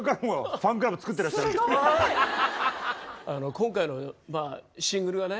今回のシングルはね